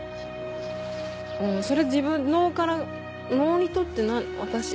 それ自分農から農にとって私。